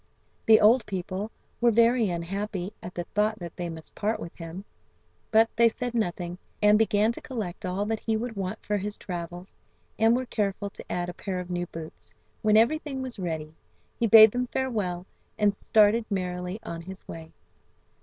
The old people were very unhappy at the thought that they must part with him, but they said nothing, and began to collect all that he would want for his travels, and were careful to add a pair of new boots. When everything was ready, he bade them farewell, and started merrily on his way.